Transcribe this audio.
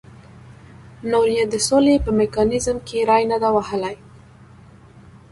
نور یې د سولې په میکانیزم کې ری نه دی وهلی.